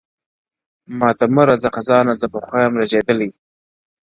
• ماته مه راځه خزانه زه پخوا یم رژېدلی -